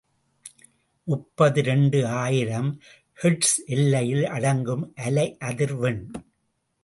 முப்பது இரண்டு ஆயிரம் ஹெர்ட்ஸ் எல்லையில் அடங்கும் அலைஅதிர்வெண்.